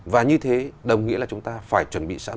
và như thế đồng nghĩa là chúng ta phải chuẩn bị sẵn